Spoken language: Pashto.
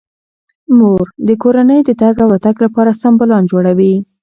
مور د کورنۍ د تګ او راتګ لپاره سم پلان جوړوي.